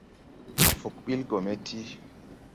Fug ɓil gɔ me ti.